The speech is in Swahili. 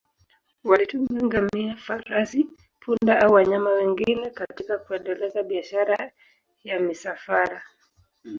Walitumia ngamia, farasi, punda au wanyama wengine katika kuendeleza biashara ya misafara.